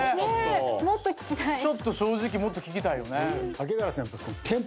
ちょっと正直もっと聴きたいよね。